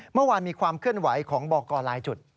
เมื่อวานมีความเคลื่อนไหวของบอกกรหลายจุด